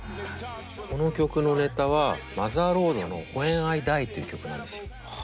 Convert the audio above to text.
この曲のネタはマザーロードの「ＷｈｅｎＩＤｉｅ」という曲なんですよ。は